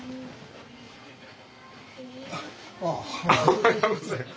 おはようございます。